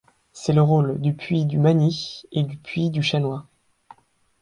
C'est le rôle du puits du Magny et du puits du Chanois.